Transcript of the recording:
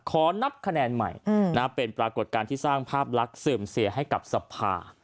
ขอนับคะแนนใหม่เป็นปรากฏการณ์ที่สร้างภาพลักษณ์เสื่อมเสียให้กับสภา